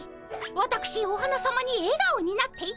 わたくしお花さまにえがおになっていただきたい。